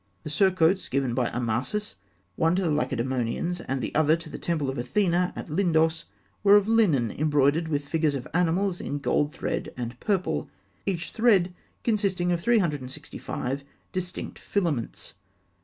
The surcoats given by Amasis, one to the Lacedaemonians, and the other to the temple of Athena at Lindos, were of linen embroidered with figures of animals in gold thread and purple, each thread consisting of three hundred and sixty five distinct filaments.